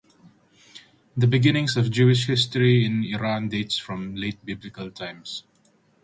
The beginnings of Jewish history in Iran dates from late Biblical times.